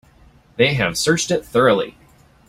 They have searched it thoroughly.